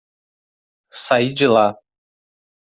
Sai de lá.